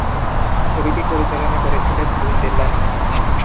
ছবিটি পরিচালনা করেছিলেন জুল বেল্লানি।